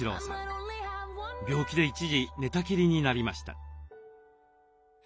病気で一時寝たきりになりました。